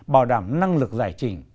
bảo đảm năng lực giải trình